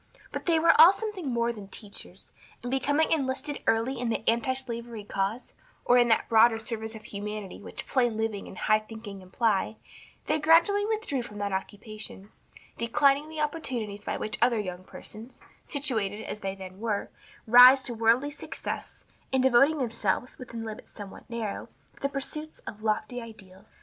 But they were all something more than teachers, and becoming enlisted early in the antislavery cause, or in that broader service of humanity which "plain living and high thinking" imply, they gradually withdrew from that occupation, declining the opportunities by which other young persons, situated as they then were, rise to worldly success, and devoting themselves, within limits somewhat narrow, to the pursuit of lofty ideals.